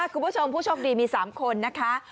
คุณผู้ชมผู้โชคดีมี๓คนนะคะ